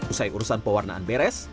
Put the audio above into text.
usai urusan pewarnaan beres